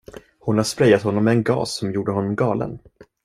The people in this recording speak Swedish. Hon har sprejat honom med en gas som gjorde honom galen.